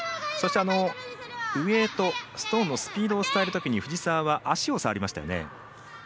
そして、ウエイト、ストーンのスピードを伝えるときに藤澤は足を触りましたよね。